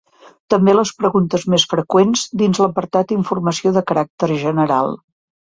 També les preguntes més freqüents, dins l'apartat Informació de caràcter general.